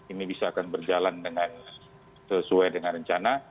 ini bisa akan berjalan sesuai dengan rencana